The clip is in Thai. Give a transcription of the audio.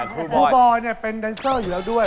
ครูบอยเนี่ยเป็นดันเซอร์อยู่แล้วด้วย